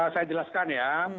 saya jelaskan ya